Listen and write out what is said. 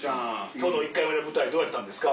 今日の１回目の舞台どうやったんですか？